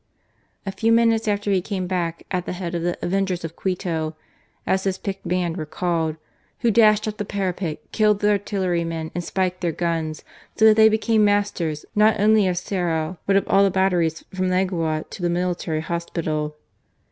A few minutes after he came back at the head of the " Avengers of Quito " (as his picked band were called), who dashed up the parapet, killed the artillerymen and spiked their guns, so that they became masters not only of Cerro but of all the batteries from Legua to the Military Hospital.